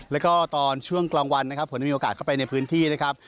แล้วก็ตอนช่วงกลางวันนะครับผมได้มีโอกาสเข้าไปในพื้นที่นะครับ